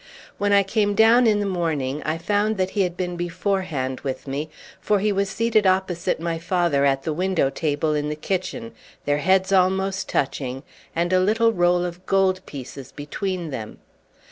When I came down in the morning, I found that he had been beforehand with me; for he was seated opposite my father at the window table in the kitchen, their heads almost touching, and a little roll of gold pieces between them.